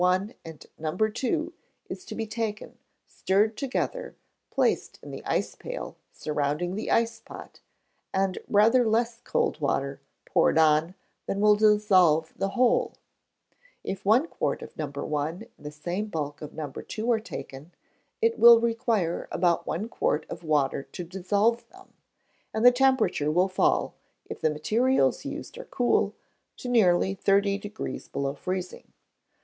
1 and No. 2 is to be taken, stirred together, placed in the ice pail, surrounding the ice pot, and rather less cold water poured on than will dissolve the whole; if one quart of No. 1, and the same bulk of No. 2 are taken, it will require about one quart of water to dissolve them, and the temperature will fall, if the materials used are cool, to nearly thirty degrees below freezing.